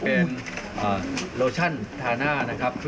เป็นโลชั่นทาหน้านะครับ